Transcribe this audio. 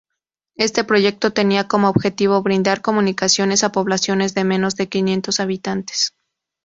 Este proyecto tenía como objetivo brindar comunicaciones a poblaciones de menos de quinientos habitantes.